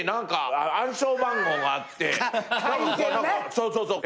そうそうそう。